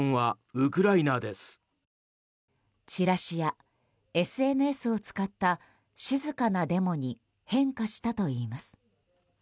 チラシやＳＮＳを使った静かなデモに変化したといいます。